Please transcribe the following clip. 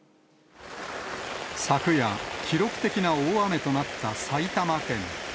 昨夜、記録的な大雨となった埼玉県。